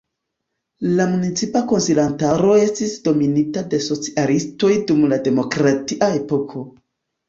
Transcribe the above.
La municipa konsilantaro estis dominita de socialistoj dum la demokratia epoko.